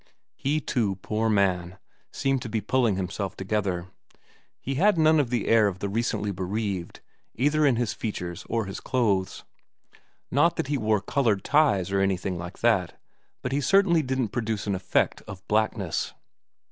He, too, poor man, seemed to be pulling himself together. He had none of the air of the recently bereaved, either in his features or his clothes. Not that he wore coloured ties or anything like that, but he certainly didn't produce an effect of blackness.